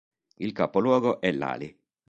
Il capoluogo è Lali.